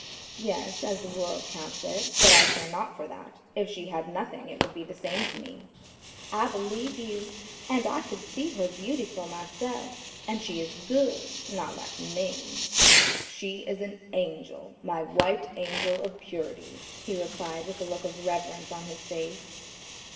"Yes, as the world counts it, but I care not for that; if she had nothing it would be the same to me." "I believe you. And I could see her beauty for myself; and she is good, not like me." "She is an angel, my white angel of purity," he replied with a look of reverence on his face.